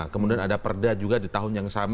kemudian ada perda juga di tahun yang sama